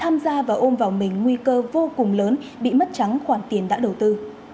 các loại tài sản đã ôm vào mình nguy cơ vô cùng lớn bị mất trắng khoản tiền đã đầu tư